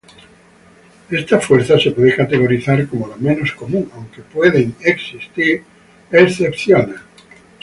Esta fuerza se puede categorizar como la menos común aunque pueden existir excepciones.